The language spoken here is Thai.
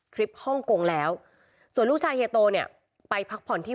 คลิปฮ่องกงแล้วส่วนลูกชายเฮียโตเนี่ยไปพักผ่อนที่